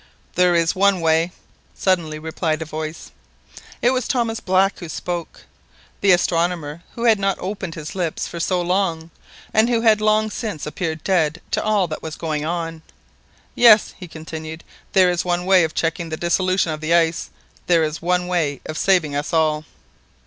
"There is one way," suddenly replied a voice. It was Thomas Black who spoke, the astronomer, who had not opened his lips for so long, and who had long since appeared dead to all that was going on. "Yes," he continued, "there is one way of checking the dissolution of the ice—there is one way of saving us all."